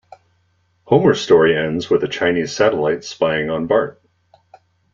Homer's story ends with a Chinese satellite spying on Bart.